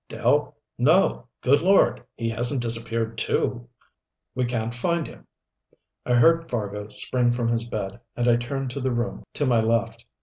"Dell? No! Good Lord, he hasn't disappeared, too?" "We can't find him." I heard Fargo spring from his bed, and I turned to the room to my left.